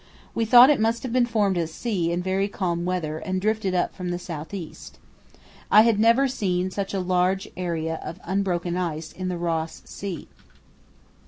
We thought it must have been formed at sea in very calm weather and drifted up from the south east. I had never seen such a large area of unbroken ice in the Ross Sea.